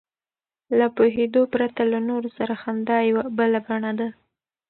له پوهېدو پرته له نورو سره خندا یوه بله بڼه ده.